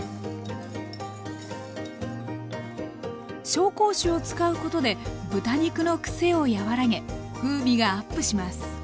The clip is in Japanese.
紹興酒を使うことで豚肉のクセを和らげ風味がアップします。